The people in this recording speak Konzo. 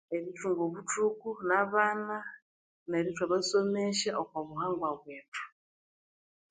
Erithunga obuthuku nabana neryo ithwabasomesya okwa buhangwa bwethu.